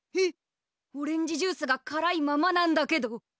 えっオレンジジュースがからいままなんだけど。